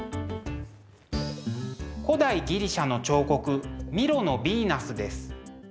古代ギリシャの彫刻「ミロのヴィーナス」です。